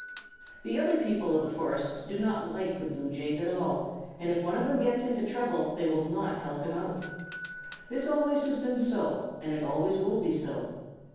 The other people of the forest do not like the Blue Jays at all, and if one of them gets into trouble they will not help him out. This always has been so, and it always will be so.